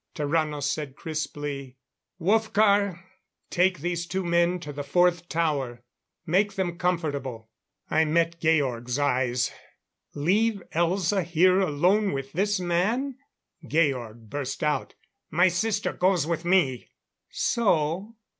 Tarrano said crisply: "Wolfgar, take these two men to the fourth tower. Make them comfortable." I met Georg's eyes. Leave Elza here alone with this man? Georg burst out: "My sister goes with me!" "So?"